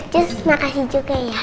just makasih juga ya